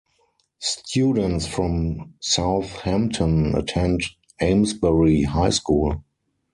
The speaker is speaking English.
Students from South Hampton attend Amesbury High School.